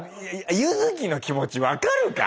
ユヅキの気持ち分かるか？